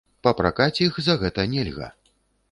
Папракаць іх за гэта нельга.